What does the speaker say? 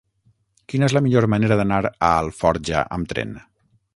Quina és la millor manera d'anar a Alforja amb tren?